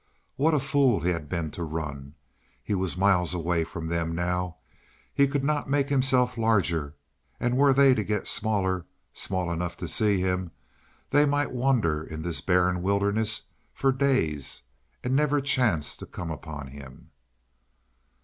What a fool he had been to run! He was miles away from them now. He could not make himself large; and were they to get smaller small enough to see him, they might wander in this barren wilderness for days and never chance to come upon him.